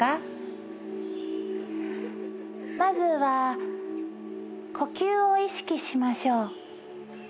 まずは呼吸を意識しましょう。